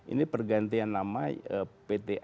ini pergantian nama pt ajb yang kemarin kita ambil